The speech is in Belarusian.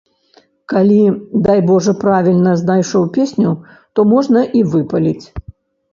Калі, дай божа, правільна знайшоў песню, то можна і выпаліць.